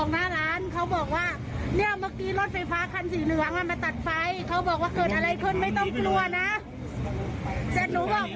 มาลับส่งทั้งโลหะระเบียด